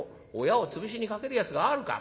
親をつぶしにかけるやつがあるか。